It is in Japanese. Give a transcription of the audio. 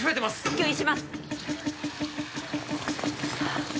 吸引します